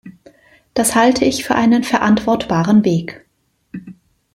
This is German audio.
Das halte ich für einen verantwortbaren Weg.